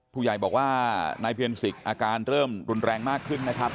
ผู้ใหญ่บอกว่านายเพียรศิกอาการเริ่มรุนแรงมากขึ้นนะครับ